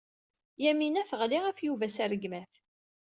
Yamina teɣli ɣef Yuba s rregmat.